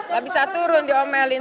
gak bisa turun diomelin